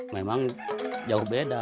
memang jauh beda